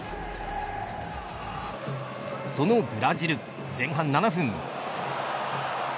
そのブラジル、前半７分。